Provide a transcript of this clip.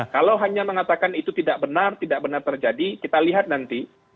kalau hanya mengatakan itu tidak benar tidak benar terjadi kita lihat nanti